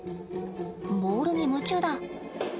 ボールに夢中だ。